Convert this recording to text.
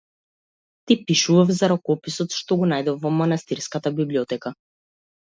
Ти пишував за ракописот што го најдов во манастирската библиотека.